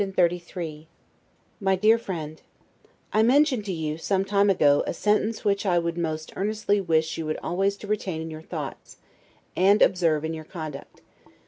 LETTER CXXXIII MY DEAR FRIEND: I mentioned to you, some time ago a sentence which I would most earnestly wish you always to retain in your thoughts, and observe in your conduct.